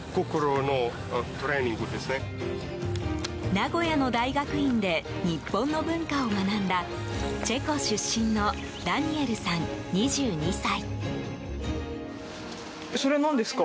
名古屋の大学院で日本の文化を学んだチェコ出身のダニエルさん２２歳。